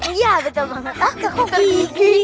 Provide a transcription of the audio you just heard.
iya betul banget